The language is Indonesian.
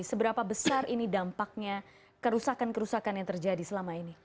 seberapa besar ini dampaknya kerusakan kerusakan yang terjadi selama ini